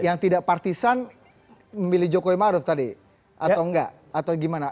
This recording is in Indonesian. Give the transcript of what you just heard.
yang tidak partisan memilih jokowi maruf tadi atau enggak atau gimana